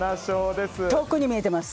遠くに見えてます。